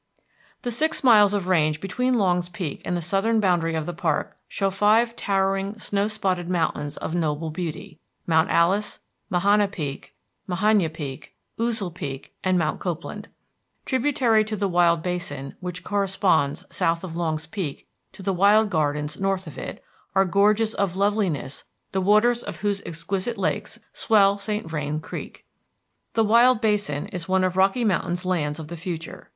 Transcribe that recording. The six miles of range between Longs Peak and the southern boundary of the park show five towering snow spotted mountains of noble beauty, Mount Alice, Tanima Peak, Mahana Peak, Ouzel Peak, and Mount Copeland. Tributary to the Wild Basin, which corresponds, south of Longs Peak, to the Wild Gardens north of it, are gorges of loveliness the waters of whose exquisite lakes swell St. Vrain Creek. The Wild Basin is one of Rocky Mountain's lands of the future.